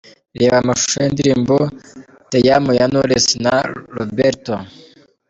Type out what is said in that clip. Reba amashusho y'indirimbo 'Te amo' ya Knowless ft Roberto.